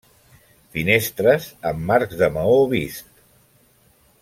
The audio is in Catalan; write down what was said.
Finestres amb marcs de maó vist.